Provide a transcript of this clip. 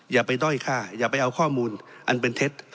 อย่าไปด้อยฆ่าอย่าไปเอาข้อมูลอันเป็นเท็จ